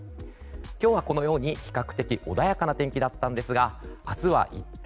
今日はこのように比較的穏やかな天気だったんですが明日は一転。